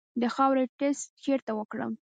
د خاورې ټسټ چیرته وکړم؟